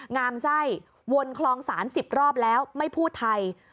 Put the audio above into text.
งามไส้วนคลองศาล๑๐รอบแล้วไม่พูดไทย